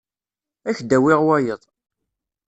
Ad ak-d-awiɣ wayeḍ.